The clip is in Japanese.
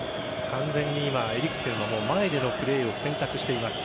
完全に今、エリクセンも前でのプレーを選択しています。